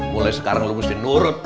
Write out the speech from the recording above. mulai sekarang lu harus dinurut